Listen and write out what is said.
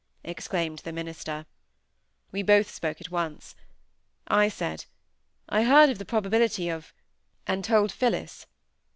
exclaimed the minister. We both spoke at once. I said, "I heard of the probability of—and told Phillis."